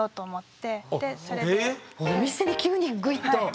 ⁉お店に急にグイッと？